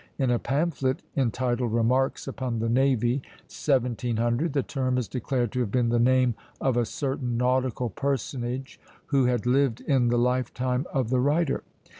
In a pamphlet, entitled "Remarks upon the Navy," 1700, the term is declared to have been the name of a certain nautical personage who had lived in the lifetime of the writer.